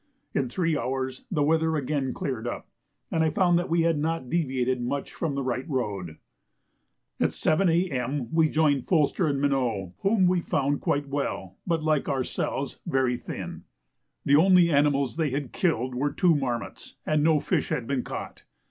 In three hours the weather again cleared up, and I found that we had not deviated much from the right road. At 7 A.M. we joined Folster and Mineau, whom we found quite well, but like ourselves very thin. The only animals they had killed were two marmots, and no fish had been caught.